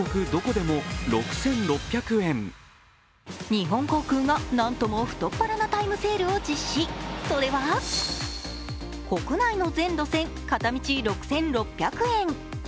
日本航空が何とも太っ腹なタイムセールを実施、それは国内の全路線、片道６６００円。